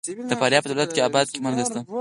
د فاریاب په دولت اباد کې مالګه شته.